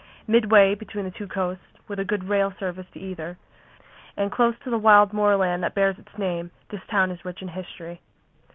Midway between the two coasts, with a good rail service to either, and close to the wild moorland that bears its name, this town is rich in history.